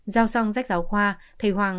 giao xong sách giáo khoa thầy hoàng